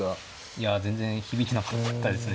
いや全然響いてなかったですね。